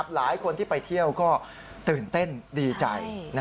หลายคนที่ไปเที่ยวก็ตื่นเต้นดีใจ